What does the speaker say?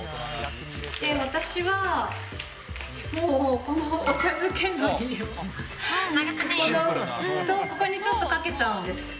私はもうこのお茶漬けのりを、そう、ここにちょっとかけちゃうんです。